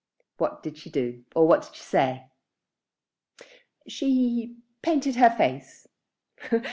What did she do or what did she say?" "She painted her face."